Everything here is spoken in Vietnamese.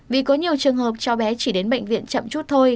vì có nhiều trường hợp cháu bé chỉ đến bệnh viện chậm chút thôi